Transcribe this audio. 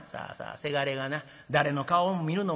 「せがれがな誰の顔を見るのも嫌じゃ。